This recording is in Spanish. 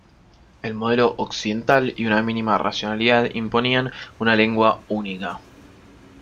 El modelo occidental y una mínima racionalidad imponían una lengua única.